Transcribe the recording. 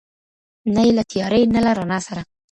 نه یې له تیارې نه له رڼا سره